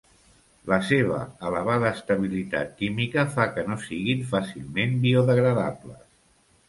La seva elevada estabilitat química fa que no siguin fàcilment biodegradables.